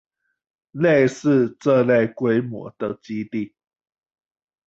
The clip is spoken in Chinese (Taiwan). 類似這類規模的基地